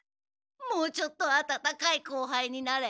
もうちょっと温かい後輩になれ。